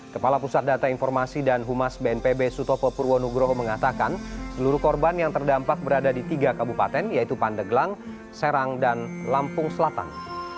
kepala pusat data informasi dan humas bnpb sutopo purwonugroho mengatakan seluruh korban yang terdampak berada di tiga kabupaten yaitu pandeglang serang dan lampung selatan